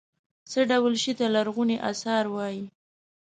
څه ډول شي ته لرغوني اثار وايي.